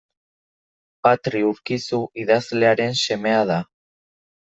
Patri Urkizu idazlearen semea da.